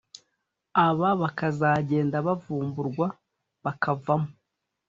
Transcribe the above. aba bakazagenda bavumburwa bakavamo